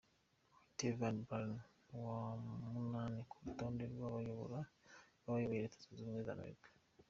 Martin Van Buren, uwa munani ku rutonde rw’abayoboye Leta Zunze Ubumwe z’Amerika.